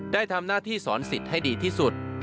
ได้ทำหน้าที่สอนสิทธิ์ให้ดีที่สุด